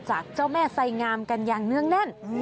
จากเจ้าแม่ไสงามกันอย่างเนื่องแน่น